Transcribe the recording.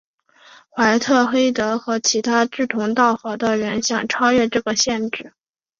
怀特黑德和其他志同道合的人想超越这个限制。